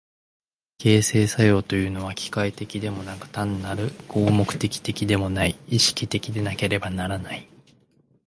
形成作用というのは機械的でもなく単なる合目的的でもない、意識的でなければならない。